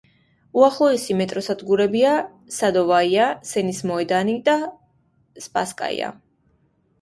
უახლოესი მეტროსადგურებია „სადოვაია“, „სენის მეოდანი“ და „სპასკაია“.